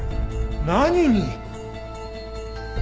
何に！？